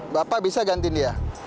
bapak bisa gantiin dia